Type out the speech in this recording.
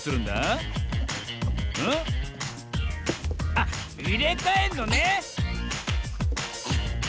あっいれかえんのね！